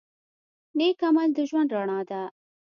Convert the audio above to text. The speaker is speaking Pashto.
نیک عمل د ژوند رڼا ده.